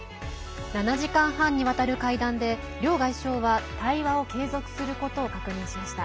７時間半にわたる会談で両外相は対話を継続することを確認しました。